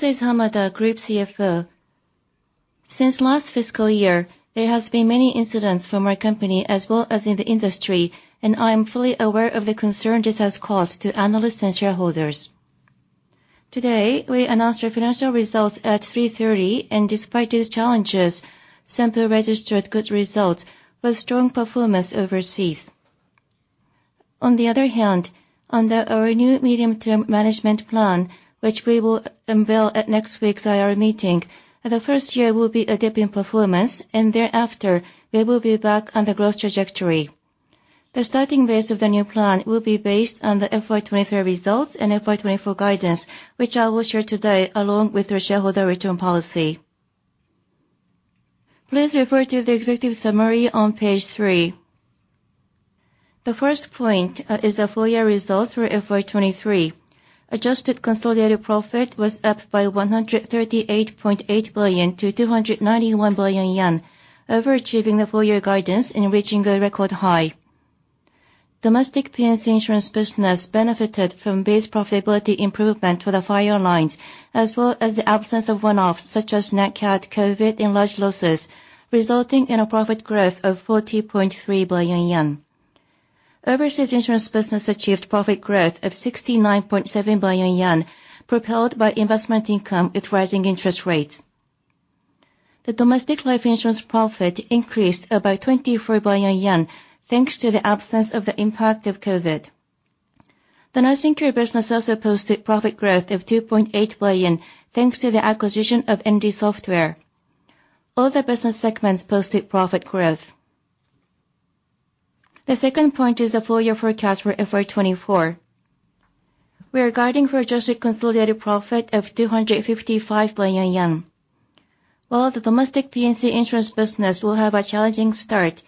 This is Hamada, Group CFO. Since last fiscal year, there has been many incidents for my company as well as in the industry, and I am fully aware of the concern this has caused to analysts and shareholders. Today, we announced our financial results at 3:30 P.M., and despite these challenges, Sompo registered good results with strong performance overseas. On the other hand, under our new medium-term management plan, which we will unveil at next week's IR meeting, the first year will be a dip in performance, and thereafter, we will be back on the growth trajectory. The starting base of the new plan will be based on the FY 2023 results and FY 2024 guidance, which I will share today, along with our shareholder return policy. Please refer to the executive summary on page three. The first point is the full-year results for FY 2023. Adjusted Consolidated Profit was up by 138.8 billion-291 billion yen, overachieving the full-year guidance and reaching a record high. Domestic P&C insurance business benefited from base profitability improvement for the fire lines, as well as the absence of one-offs, such as NatCat, COVID, and large losses, resulting in a profit growth of 40.3 billion yen. Overseas insurance business achieved profit growth of 69.7 billion yen, propelled by investment income with rising interest rates. The domestic life insurance profit increased by 24 billion yen, thanks to the absence of the impact of COVID. The nursing care business also posted profit growth of 2.8 billion, thanks to the acquisition of ND Software. All the business segments posted profit growth. The second point is a full-year forecast for FY 2024. We are guiding for adjusted consolidated profit of 255 billion yen. While the domestic P&C insurance business will have a challenging start,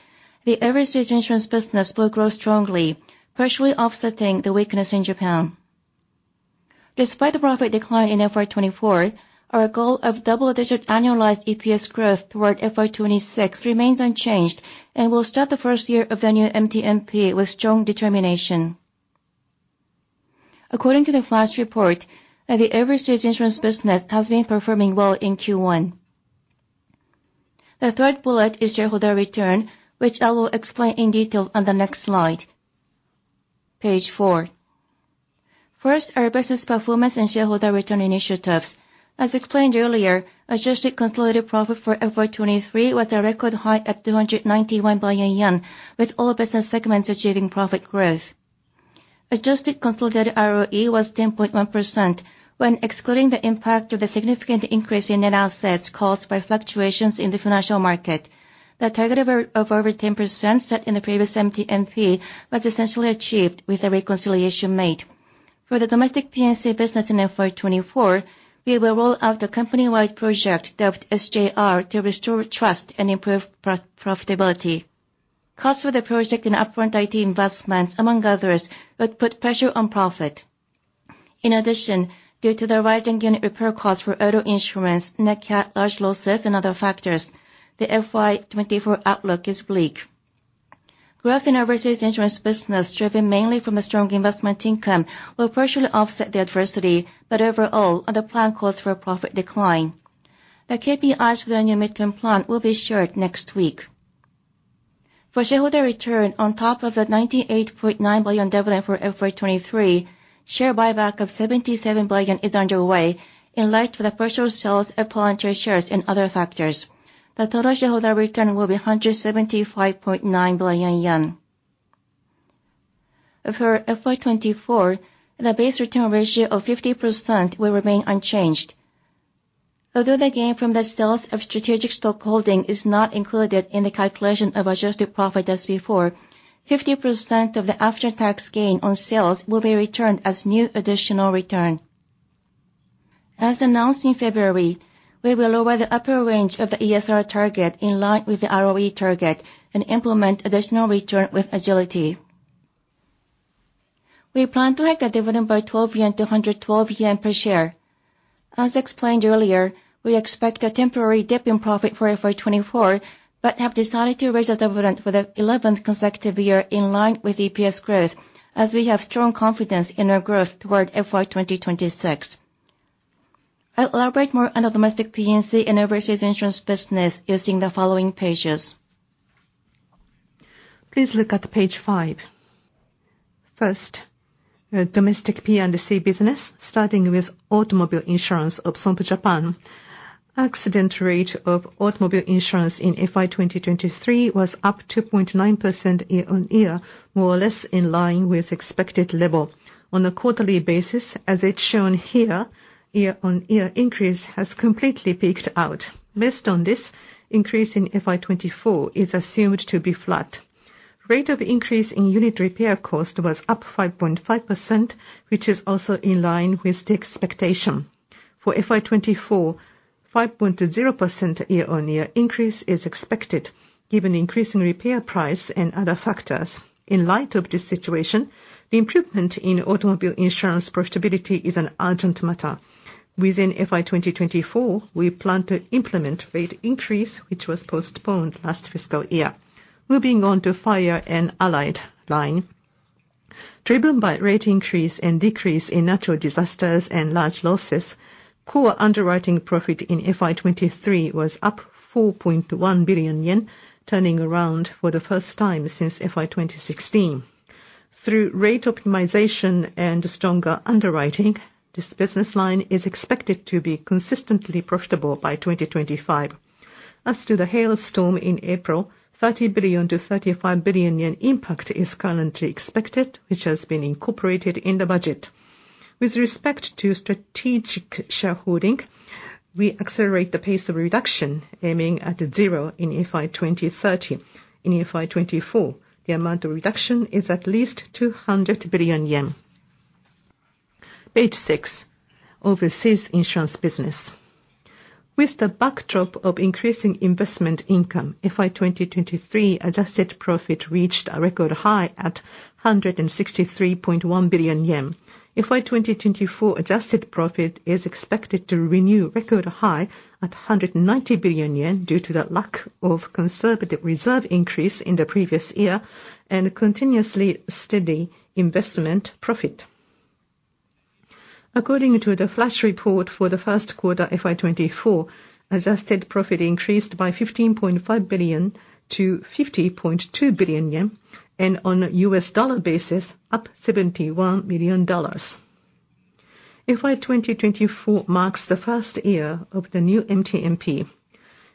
the overseas insurance business will grow strongly, partially offsetting the weakness in Japan. Despite the profit decline in FY 2024, our goal of double-digit annualized EPS growth toward FY 2026 remains unchanged, and we'll start the first year of the new MTMP with strong determination. According to the flash report, the overseas insurance business has been performing well in Q1. The third bullet is shareholder return, which I will explain in detail on the next slide, page four. First, our business performance and shareholder return initiatives. As explained earlier, adjusted consolidated profit for FY 2023 was a record high at 291 billion yen, with all business segments achieving profit growth. Adjusted Consolidated ROE was 10.1% when excluding the impact of the significant increase in net assets caused by fluctuations in the financial market. The target of over 10% set in the previous MTMP was essentially achieved with a reconciliation made. For the domestic P&C business in FY 2024, we will roll out the company-wide project dubbed SJ-R to restore trust and improve profitability. Cost for the project and upfront IT investments, among others, would put pressure on profit. In addition, due to the rising unit repair costs for auto insurance, NatCat, large losses, and other factors, the FY 2024 outlook is bleak. Growth in overseas insurance business, driven mainly from a strong investment income, will partially offset the adversity, but overall, the plan calls for a profit decline. The KPIs for the new midterm plan will be shared next week. For shareholder return, on top of the 98.9 billion dividend for FY 2023, share buyback of 77 billion is underway in light of the partial sales of Palantir shares and other factors. The total shareholder return will be 175.9 billion yen. For FY 2024, the base return ratio of 50% will remain unchanged. Although the gain from the sales of strategic stock holding is not included in the calculation of adjusted profit as before, 50% of the after-tax gain on sales will be returned as new additional return. As announced in February, we will lower the upper range of the ESR target in line with the ROE target and implement additional return with agility. We plan to hike the dividend by 12-112 yen per share. As explained earlier, we expect a temporary dip in profit for FY 2024, but have decided to raise the dividend for the 11th consecutive year, in line with EPS growth, as we have strong confidence in our growth toward FY 2026. I'll elaborate more on the domestic P&C and overseas insurance business using the following pages. Please look at page five. First, domestic P&C business, starting with automobile insurance of Sompo Japan. Accident rate of automobile insurance in FY 2023 was up 2.9% year-on-year, more or less in line with expected level. On a quarterly basis, as it's shown here, year-on-year increase has completely peaked out. Based on this, increase in FY 2024 is assumed to be flat. Rate of increase in unit repair cost was up 5.5%, which is also in line with the expectation. For FY 2024, 5.0% year-on-year increase is expected, given increasing repair price and other factors. In light of this situation, the improvement in automobile insurance profitability is an urgent matter. Within FY 2024, we plan to implement rate increase, which was postponed last fiscal year. Moving on to Fire and Allied Line.... Driven by rate increase and decrease in natural disasters and large losses, core underwriting profit in FY 2023 was up 4.1 billion yen, turning around for the first time since FY 2016. Through rate optimization and stronger underwriting, this business line is expected to be consistently profitable by 2025. As to the hailstorm in April, 30 billion-35 billion yen impact is currently expected, which has been incorporated in the budget. With respect to strategic shareholding, we accelerate the pace of reduction, aiming at zero in FY 2030. In FY 2024, the amount of reduction is at least 200 billion yen. Page six, overseas insurance business. With the backdrop of increasing investment income, FY 2023 adjusted profit reached a record high at 163.1 billion yen. FY 2024 adjusted profit is expected to renew record high at 190 billion yen due to the lack of conservative reserve increase in the previous year, and continuously steady investment profit. According to the flash report for the first quarter FY 2024, adjusted profit increased by 15.5 billion-50.2 billion yen, and on U.S. dollar basis, up $71 million. FY 2024 marks the first year of the new MTMP.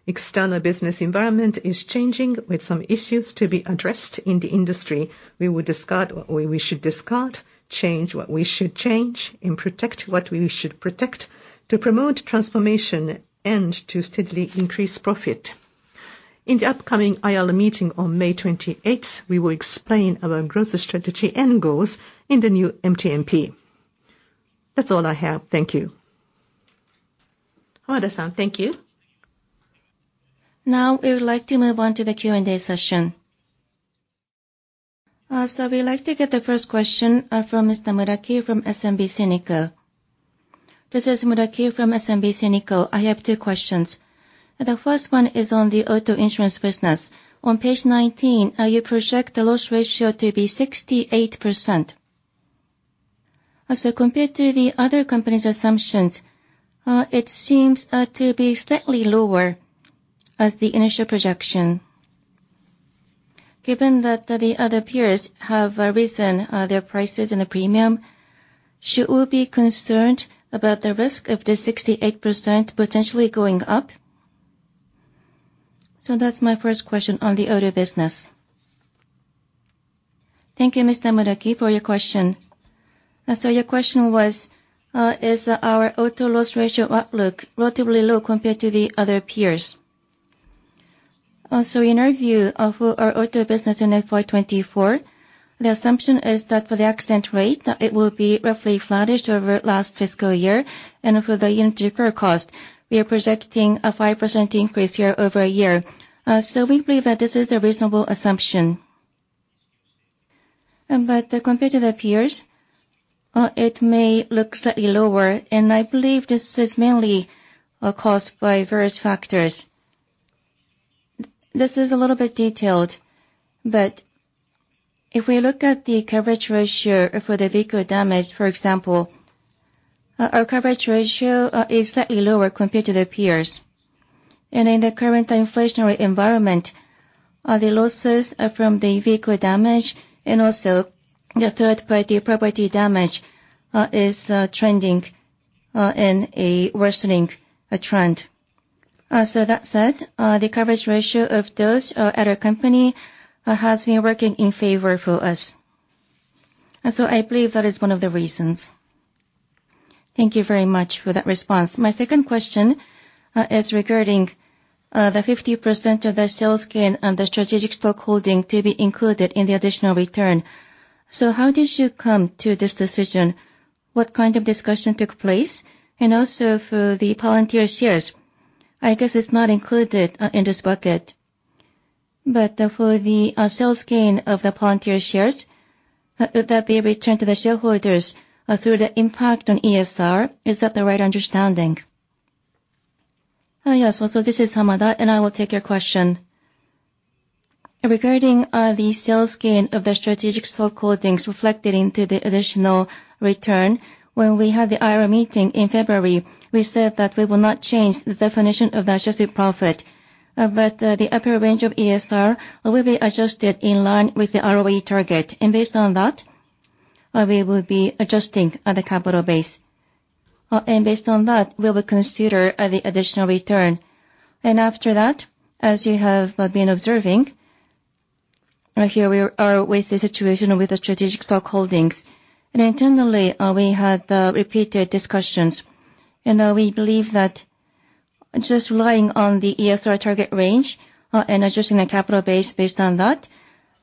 External business environment is changing, with some issues to be addressed in the industry. We will discard what we should discard, change what we should change, and protect what we should protect to promote transformation and to steadily increase profit. In the upcoming IR meeting on May twenty-eighth, we will explain our growth strategy and goals in the new MTMP. That's all I have. Thank you.... thank you. Now, we would like to move on to the Q&A session. So we'd like to get the first question from Mr. Muraki from SMBC Nikko. This is Muraki from SMBC Nikko. I have two questions. The first one is on the auto insurance business. On page 19, you project the loss ratio to be 68%. And so compared to the other company's assumptions, it seems to be slightly lower as the initial projection. Given that, the other peers have risen their prices and the premium, should we be concerned about the risk of the 68% potentially going up? So that's my first question on the auto business. Thank you, Mr. Muraki, for your question. And so your question was, is our auto loss ratio outlook relatively low compared to the other peers? So in our view of our auto business in FY 2024, the assumption is that for the accident rate, that it will be roughly flattish over last fiscal year, and for the unit repair cost, we are projecting a 5% increase year-over-year. So we believe that this is a reasonable assumption. But the competitive peers, it may look slightly lower, and I believe this is mainly caused by various factors. This is a little bit detailed, but if we look at the coverage ratio for the vehicle damage, for example, our coverage ratio is slightly lower compared to the peers. And in the current inflationary environment, the losses are from the vehicle damage, and also the third-party property damage is trending in a worsening trend. So that said, the coverage ratio of those at our company has been working in favor for us, and so I believe that is one of the reasons. Thank you very much for that response. My second question is regarding the 50% of the sales gain and the strategic stock holding to be included in the additional return. So how did you come to this decision? What kind of discussion took place? And also, for the Palantir shares, I guess it's not included in this bucket, but for the sales gain of the Palantir shares, would that be returned to the shareholders through the impact on ESR? Is that the right understanding? Yes, so this is Hamada, and I will take your question. Regarding the sales gain of the strategic stock holdings reflected into the additional return, when we had the IR meeting in February, we said that we will not change the definition of the adjusted profit. But the upper range of ESR will be adjusted in line with the ROE target, and based on that, we will be adjusting on the capital base. And based on that, we will consider the additional return. And after that, as you have been observing, here we are with the situation with the strategic stock holdings. And internally, we had repeated discussions, and we believe that just relying on the ESR target range and adjusting the capital base based on that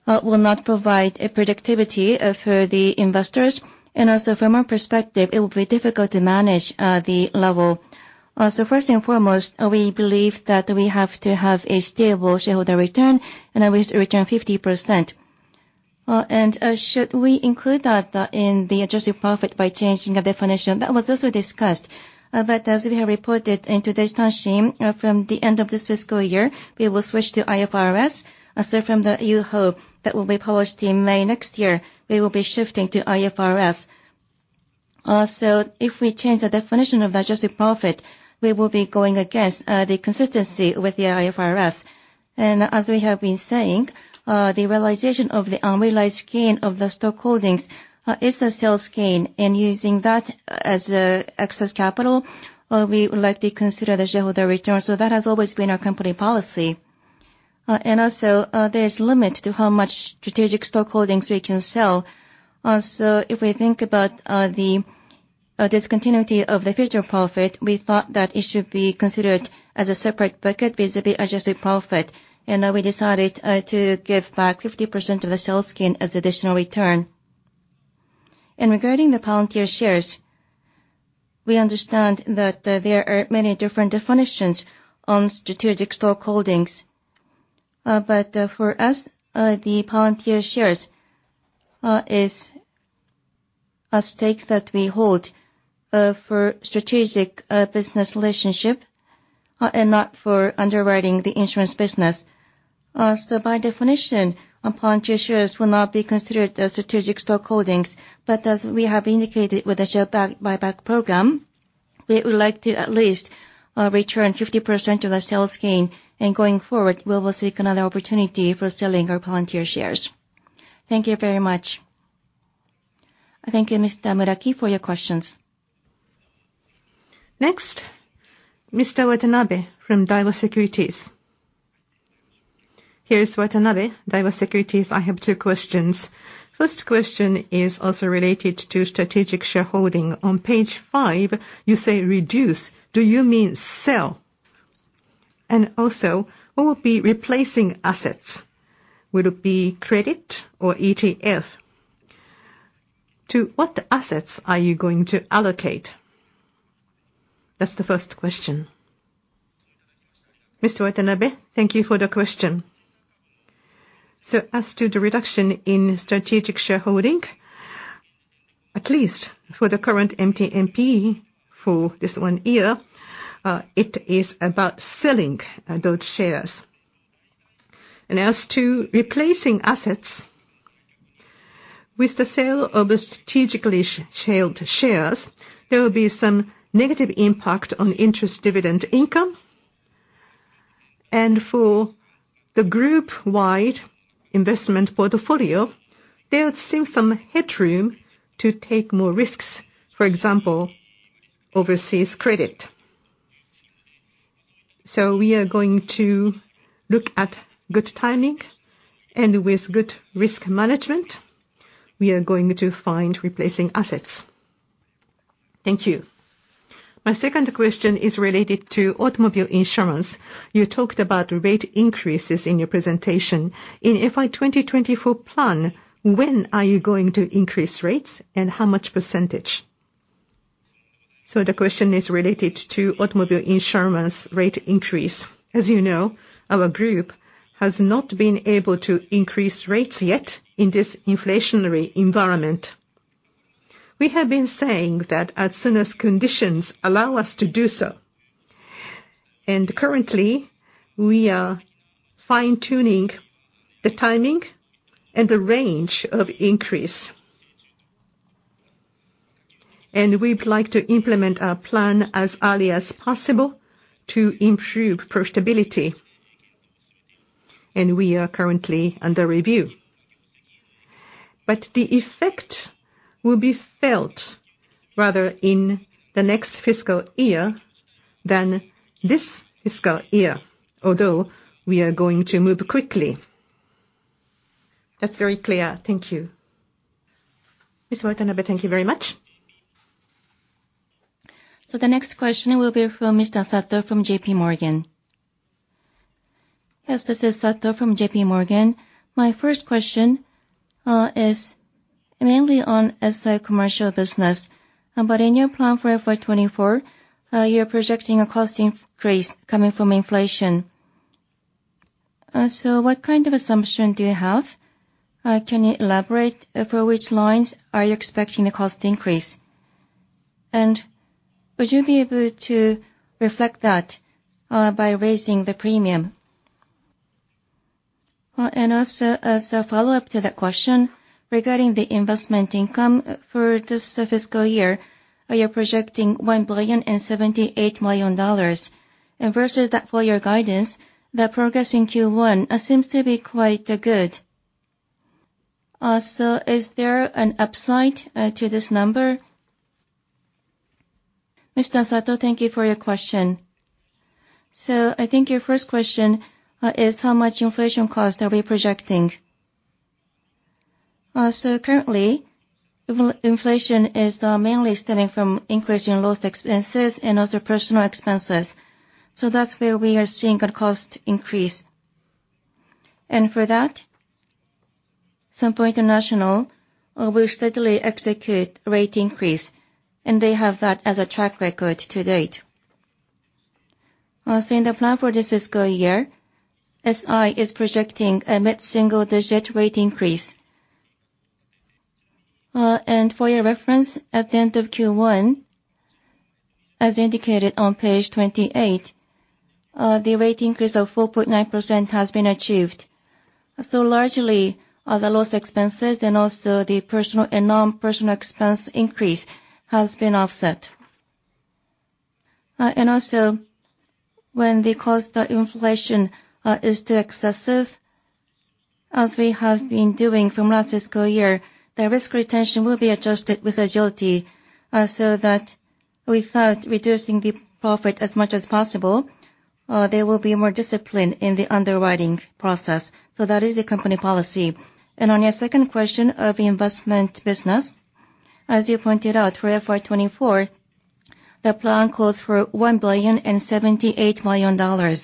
will not provide a predictability for the investors. From our perspective, it will be difficult to manage the level. So first and foremost, we believe that we have to have a stable shareholder return, and at least return 50%. And should we include that in the adjusted profit by changing the definition? That was also discussed, but as we have reported in this Tanshin, from the end of this fiscal year, we will switch to IFRS. So from the report that will be published in May next year, we will be shifting to IFRS. So if we change the definition of adjusted profit, we will be going against the consistency with the IFRS. As we have been saying, the realization of the unrealized gain of the stock holdings is the sales gain, and using that as excess capital, we would like to consider the shareholder return. That has always been our company policy. And also, there's limit to how much strategic stock holdings we can sell. So if we think about the discontinuity of the future profit, we thought that it should be considered as a separate bucket, vis-à-vis adjusted profit. And we decided to give back 50% of the sales gain as additional return. And regarding the Palantir shares, we understand that there are many different definitions on strategic stock holdings. But, for us, the Palantir shares is a stake that we hold for strategic business relationship and not for underwriting the insurance business. So by definition, Palantir shares will not be considered as strategic stock holdings. But as we have indicated with the share buyback program, we would like to at least return 50% of the sales gain, and going forward, we will seek another opportunity for selling our Palantir shares. Thank you very much. Thank you, Mr. Muraki, for your questions. Next, Mr. Watanabe from Daiwa Securities. Here's Watanabe, Daiwa Securities. I have two questions. First question is also related to strategic shareholding. On page five, you say reduce. Do you mean sell? And also, what will be replacing assets? Will it be credit or ETF? To what assets are you going to allocate? That's the first question. Mr. Watanabe, thank you for the question. So as to the reduction in strategic shareholding, at least for the current MTMP for this one year, it is about selling those shares. And as to replacing assets, with the sale of the strategically held shares, there will be some negative impact on interest dividend income. And for the group-wide investment portfolio, there seems some headroom to take more risks, for example, overseas credit. So we are going to look at good timing, and with good risk management, we are going to find replacing assets. Thank you. My second question is related to automobile insurance. You talked about rate increases in your presentation. In FY 2024 plan, when are you going to increase rates, and how much percentage? So the question is related to automobile insurance rate increase. As you know, our group has not been able to increase rates yet in this inflationary environment. We have been saying that as soon as conditions allow us to do so, and currently, we are fine-tuning the timing and the range of increase. And we'd like to implement our plan as early as possible to improve profitability, and we are currently under review. But the effect will be felt rather in the next fiscal year than this fiscal year, although we are going to move quickly. That's very clear. Thank you. Mr. Watanabe, thank you very much. So the next question will be from Mr. Sato from JPMorgan. Yes, this is Sato from JPMorgan. My first question is mainly on SI commercial business, but in your plan for FY 2024, you're projecting a cost increase coming from inflation. So what kind of assumption do you have? Can you elaborate for which lines are you expecting the cost increase? And would you be able to reflect that by raising the premium? And also, as a follow-up to that question, regarding the investment income for this fiscal year, you're projecting $1.078 billion. And versus that full year guidance, the progress in Q1 seems to be quite good. So is there an upside to this number? Mr. Sato, thank you for your question. So I think your first question is how much inflation cost are we projecting? So currently, inflation is mainly stemming from increase in loss expenses and also personnel expenses, so that's where we are seeing a cost increase. And for that, Sompo International will steadily execute rate increase, and they have that as a track record to date. So in the plan for this fiscal year, SI is projecting a mid-single digit rate increase. And for your reference, at the end of Q1, as indicated on page 28, the rate increase of 4.9% has been achieved. So largely, the loss expenses and also the personnel and non-personnel expense increase has been offset. And also when the cost, the inflation, is too excessive, as we have been doing from last fiscal year, the risk retention will be adjusted with agility, so that without reducing the profit as much as possible, they will be more disciplined in the underwriting process. So that is the company policy. And on your second question of the investment business, as you pointed out, for FY 2024, the plan calls for $1.078 billion.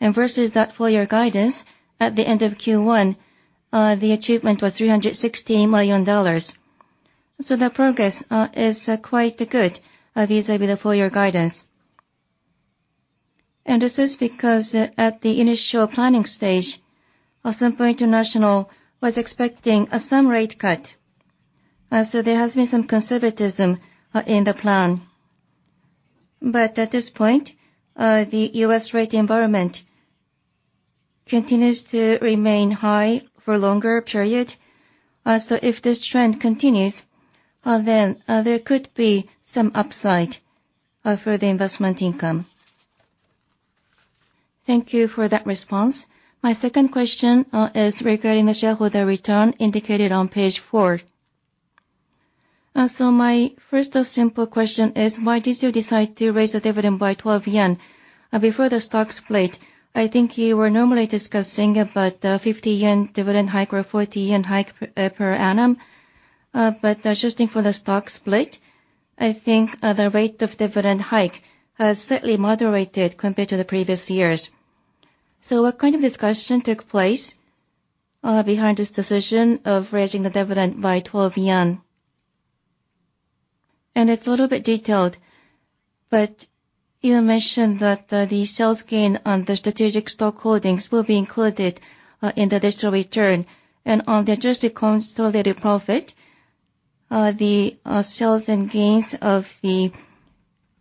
And versus that full year guidance at the end of Q1, the achievement was $316 million. So the progress is quite good vis-à-vis the full year guidance. And this is because, at the initial planning stage, Sompo International was expecting some rate cut. So there has been some conservatism in the plan. But at this point, the U.S. rate environment continues to remain high for longer period. So if this trend continues, then, there could be some upside, for the investment income. Thank you for that response. My second question is regarding the shareholder return indicated on page four. So my first simple question is, why did you decide to raise the dividend by 12 yen? Before the stock split, I think you were normally discussing about, 50 yen dividend hike or 40 yen hike per annum. But adjusting for the stock split, I think, the rate of dividend hike has slightly moderated compared to the previous years. So what kind of discussion took place, behind this decision of raising the dividend by 12 yen? It's a little bit detailed, but you mentioned that the sales gain on the strategic stock holdings will be included in the digital return. On the adjusted consolidated profit, the sales and gains of the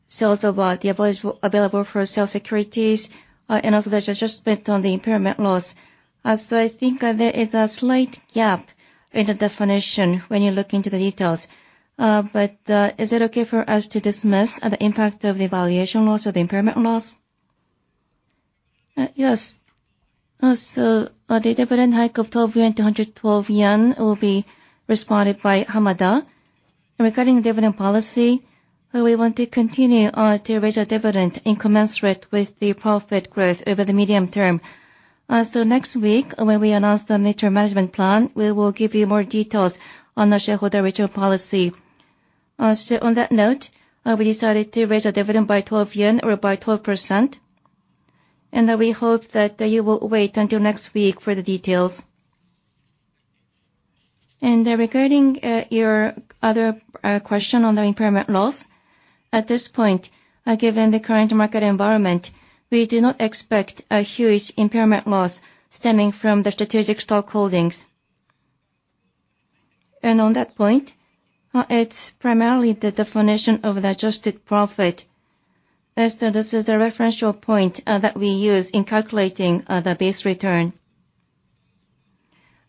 sales of the available for sale securities and also the adjustment on the impairment loss. So I think there is a slight gap in the definition when you look into the details, but is it okay for us to dismiss the impact of the valuation loss or the impairment loss? Yes. So the dividend hike of 12-112 yen will be responded by Hamada. Regarding the dividend policy, we want to continue to raise our dividend in commensurate with the profit growth over the medium term. So next week, when we announce the midterm management plan, we will give you more details on the shareholder return policy. So on that note, we decided to raise our dividend by 12 yen or by 12%, and, we hope that, you will wait until next week for the details. And, regarding, your other, question on the impairment loss, at this point, given the current market environment, we do not expect a huge impairment loss stemming from the strategic stock holdings. And on that point, it's primarily the definition of the adjusted profit, as though this is the referential point, that we use in calculating, the base return.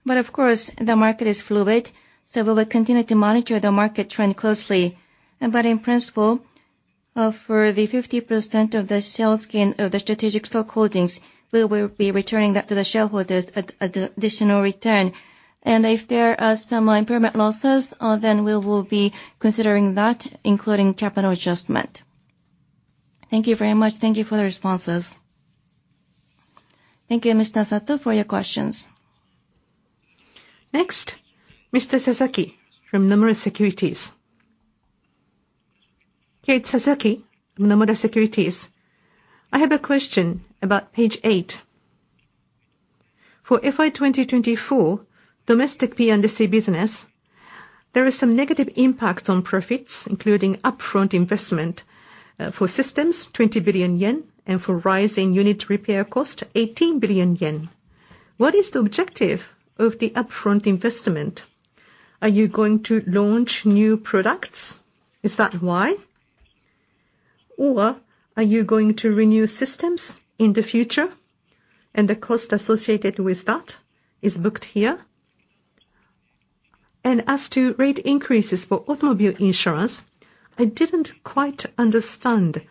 But of course, the market is fluid, so we will continue to monitor the market trend closely. But in principle, for the 50% of the sales gain of the strategic stock holdings, we will be returning that to the shareholders at, at the additional return. And if there are some impairment losses, then we will be considering that, including capital adjustment. Thank you very much. Thank you for the responses. Thank you, Mr. Sato, for your questions. Next, Mr. Sasaki from Nomura Securities. Hey, it's Sasaki from Nomura Securities. I have a question about page eight. For FY 2024, domestic P&C business, there is some negative impact on profits, including upfront investment for systems, 20 billion yen, and for rising unit repair cost, 18 billion yen. What is the objective of the upfront investment? Are you going to launch new products? Is that why? Or are you going to renew systems in the future, and the cost associated with that is booked here? And as to rate increases for automobile insurance, I didn't quite understand.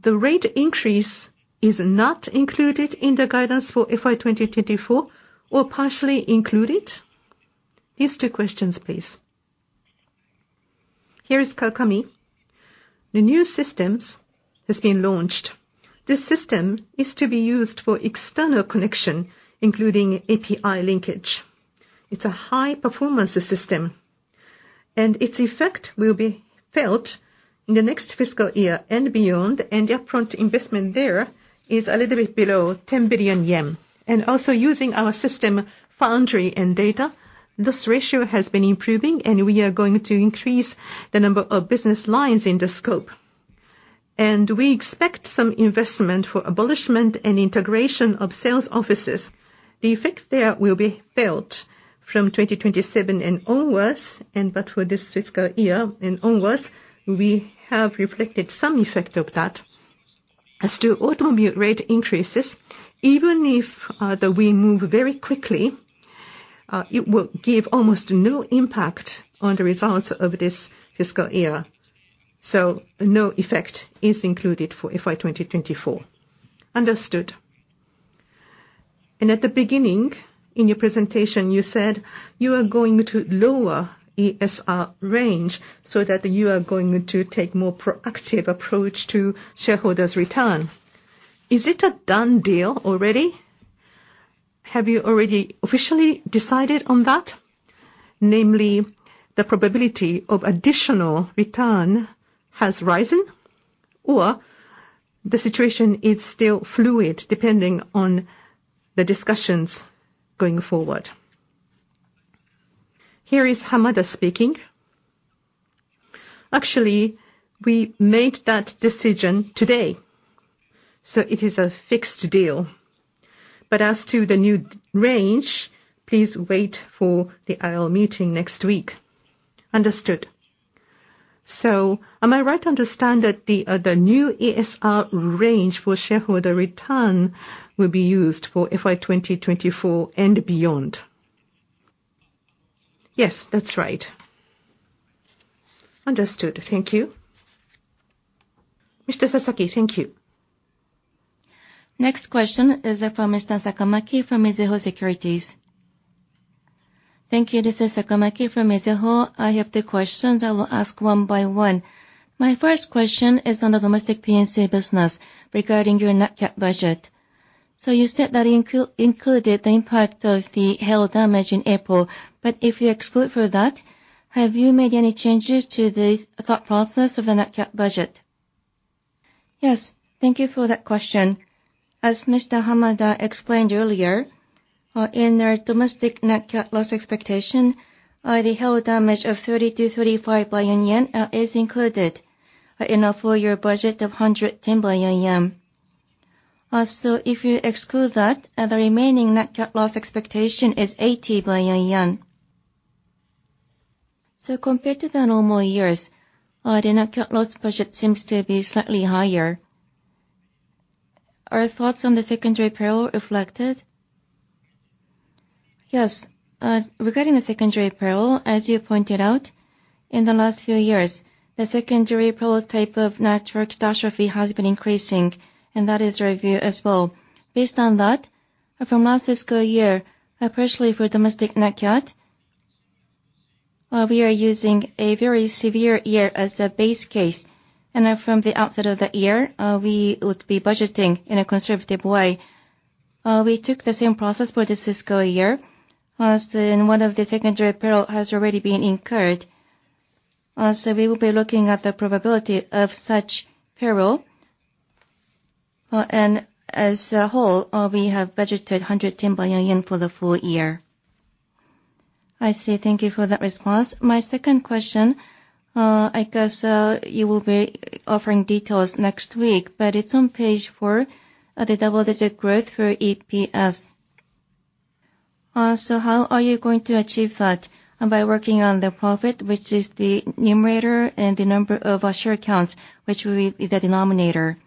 The rate increase is not included in the guidance for FY 2024 or partially included? These two questions, please. Here is Kakami. The new systems has been launched. This system is to be used for external connection, including API linkage. It's a high-performance system, and its effect will be felt in the next fiscal year and beyond, and the upfront investment there is a little bit below 10 billion yen. And also using our system, Foundry and data, this ratio has been improving, and we are going to increase the number of business lines in the scope. And we expect some investment for abolishment and integration of sales offices. The effect there will be felt from 2027 and onwards, and but for this fiscal year and onwards, we have reflected some effect of that. As to automobile rate increases, even if that we move very quickly, it will give almost no impact on the results of this fiscal year, so no effect is included for FY 2024. Understood. At the beginning in your presentation, you said you are going to lower ESR range so that you are going to take more proactive approach to shareholders' return. Is it a done deal already? Have you already officially decided on that, namely the probability of additional return has risen, or the situation is still fluid depending on the discussions going forward? Here is Hamada speaking. Actually, we made that decision today, so it is a fixed deal. But as to the new range, please wait for the IR meeting next week. Understood. So am I right to understand that the, the new ESR range for shareholder return will be used for FY 2024 and beyond? Yes, that's right. Understood. Thank you. Mr. Sasaki, thank you. Next question is from Mr. Sakamaki from Mizuho Securities. Thank you. This is Sakamaki from Mizuho. I have two questions. I will ask one by one. My first question is on the domestic P&C business regarding your NatCat budget. So you said that included the impact of the hail damage in April, but if you exclude for that, have you made any changes to the thought process of the NatCat budget? Yes. Thank you for that question. As Mr. Hamada explained earlier, in our domestic NatCat loss expectation, the hail damage of 30 billion-35 billion yen is included in our full year budget of 110 billion yen. So if you exclude that, the remaining NatCat loss expectation is 80 billion yen. So compared to the normal years, the NatCat loss budget seems to be slightly higher. Are thoughts on the secondary peril reflected? Yes. Regarding the secondary peril, as you pointed out, in the last few years, the secondary peril type of natural catastrophe has been increasing, and that is our view as well. Based on that, from last fiscal year, especially for domestic NatCat, we are using a very severe year as a base case. And then from the outset of the year, we would be budgeting in a conservative way. We took the same process for this fiscal year, as the one of the secondary peril has already been incurred. So we will be looking at the probability of such peril, and as a whole, we have budgeted 110 billion yen for the full year. I see. Thank you for that response. My second question, I guess, you will be offering details next week, but it's on page four of the double-digit growth for EPS. So how are you going to achieve that? By working on the profit, which is the numerator, and the number of share accounts, which will be the denominator?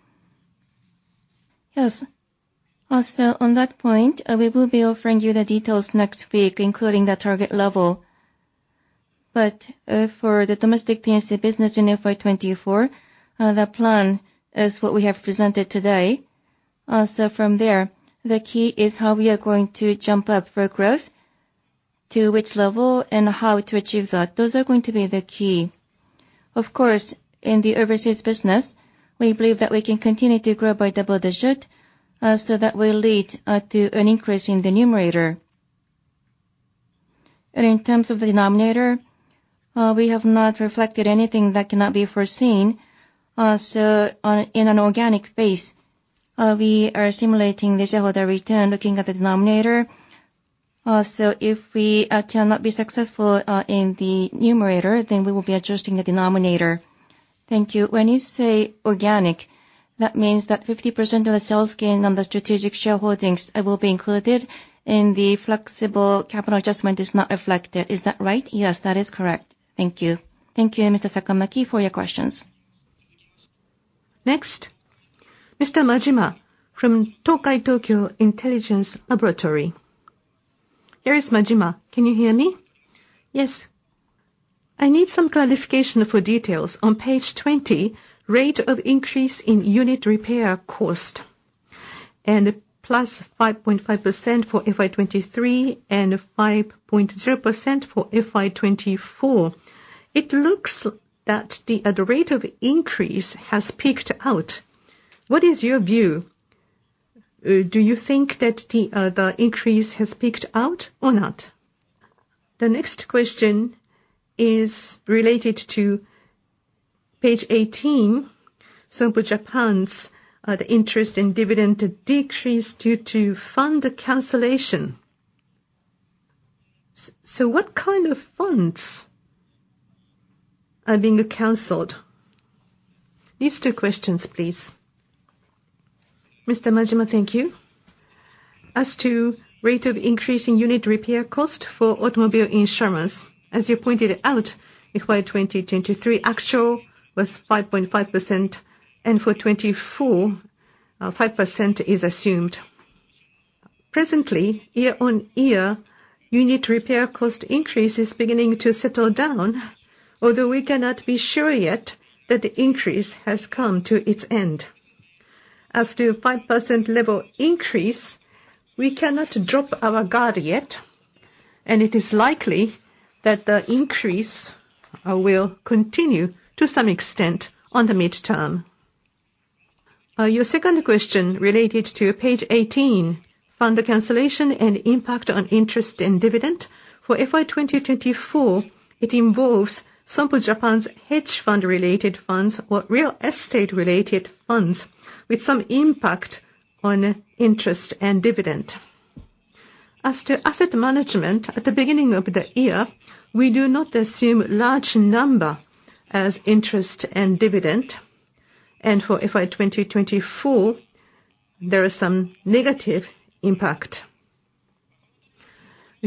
Yes. Also, on that point, we will be offering you the details next week, including the target level. But, for the domestic P&C business in FY 2024, the plan is what we have presented today. So from there, the key is how we are going to jump up for growth, to which level, and how to achieve that. Those are going to be the key. Of course, in the overseas business, we believe that we can continue to grow by double digit, so that will lead to an increase in the numerator. And in terms of the denominator, we have not reflected anything that cannot be foreseen. So on, in an organic base, we are simulating the shareholder return, looking at the denominator. So if we cannot be successful in the numerator, then we will be adjusting the denominator. Thank you. When you say organic, that means that 50% of the sales gain on the strategic shareholdings will be included, and the flexible capital adjustment is not reflected. Is that right? Yes, that is correct. Thank you. Thank you, Mr. Sakamaki, for your questions. Next, Mr. Majima from Tokai Tokyo Intelligence Laboratory. Here is Majima. Can you hear me? Yes. I need some clarification for details. On page 20, rate of increase in unit repair cost, and +5.5% for FY 2023 and 5.0% for FY 2024, it looks that the rate of increase has peaked out. What is your view? Do you think that the increase has peaked out or not? The next question is related to page 18, Sompo Japan's, the interest and dividend decreased due to fund cancellation. So what kind of funds are being canceled? These two questions, please. Mr. Majima, thank you. As to rate of increase in unit repair cost for automobile insurance, as you pointed out, FY 2023 actual was 5.5%, and for 2024, five percent is assumed. Presently, year-on-year unit repair cost increase is beginning to settle down, although we cannot be sure yet that the increase has come to its end. As to a 5% level increase, we cannot drop our guard yet, and it is likely that the increase will continue to some extent on the midterm. Your second question, related to page 18, fund cancellation and impact on interest and dividend, for FY 2024, it involves Sompo Japan's hedge fund-related funds or real estate-related funds, with some impact on interest and dividend. As to asset management, at the beginning of the year, we do not assume large number as interest and dividend, and for FY 2024, there is some negative impact.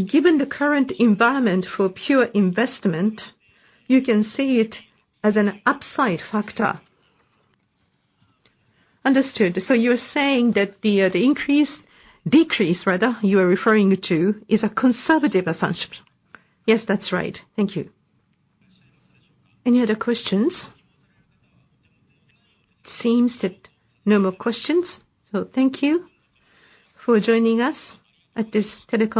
Given the current environment for pure investment, you can see it as an upside factor. Understood. So you're saying that the increase, decrease rather, you are referring to, is a conservative assumption? Yes, that's right. Thank you. Any other questions? Seems that no more questions, so thank you for joining us at this teleconference.